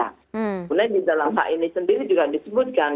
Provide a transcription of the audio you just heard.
kemudian di dalam hak ini sendiri juga disebutkan